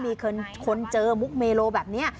มีคนเจอมุกเมโลแบบนี้